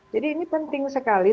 jadi ini penting sekali